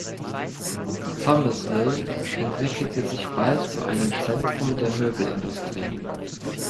Thomasville entwickelte sich bald zu einem Zentrum der Möbelindustrie.